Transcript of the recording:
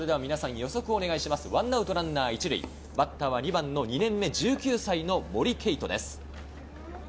１アウトランナー１塁、バッターは２番の２年目、１９歳の森敬斗です。